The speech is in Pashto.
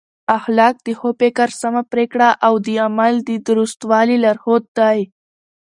اخلاق د ښو فکر، سمه پرېکړه او د عمل د درستوالي لارښود دی.